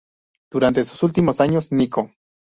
Durante sus últimos años nico.